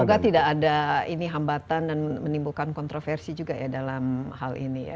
semoga tidak ada ini hambatan dan menimbulkan kontroversi juga ya dalam hal ini ya